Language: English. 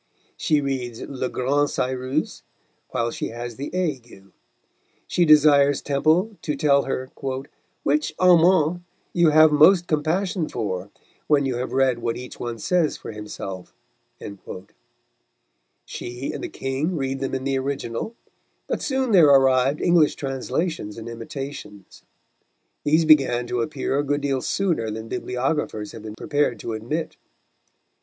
She reads Le Grand Cyrus while she has the ague; she desires Temple to tell her "which amant you have most compassion for, when you have read what each one says for himself." She and the King read them in the original, but soon there arrived English translations and imitations. These began to appear a good deal sooner than bibliographers have been prepared to admit.